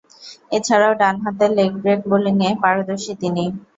এছাড়াও ডানহাতে leg break বোলিংয়ে পারদর্শী তিনি।